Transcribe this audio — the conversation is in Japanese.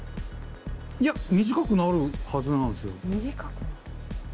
いや短くなるはずなんすよ。短く？